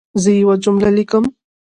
زه یوه جمله لیکم.